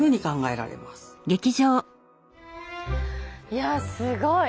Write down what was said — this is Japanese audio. いやすごい。